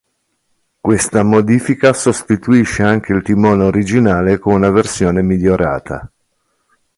Questa modifica sostituisce anche il timone originale con una versione migliorata.